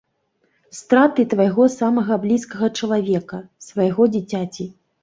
Страты твайго самага блізкага чалавека, свайго дзіцяці.